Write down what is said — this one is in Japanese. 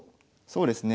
そうですね。